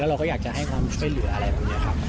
เราก็อยากจะให้ความช่วยเหลืออะไรแบบนี้ครับ